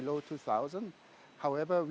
lebih dari dua